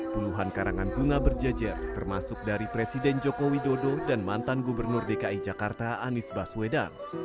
puluhan karangan bunga berjejer termasuk dari presiden joko widodo dan mantan gubernur dki jakarta anies baswedan